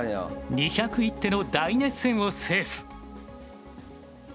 ２０１手の大熱戦を制す。